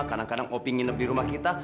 kadang kadang opi nginep di rumah kita